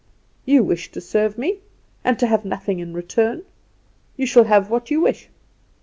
You wish to serve me, and to have nothing in return! you shall have what you wish."